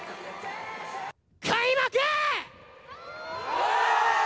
開幕！